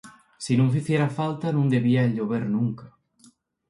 Si nun ficiera falta, nun debía llover nunca.